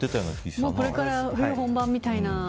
これから冬本番みたいな。